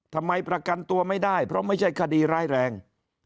ประกันตัวไม่ได้เพราะไม่ใช่คดีร้ายแรง